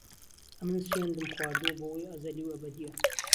ئهمن سوێندم خواردووه بهوەی ئهزهلی وئهبهدییه